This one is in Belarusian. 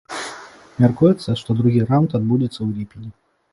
Мяркуецца, што другі раўнд адбудзецца ў ліпені.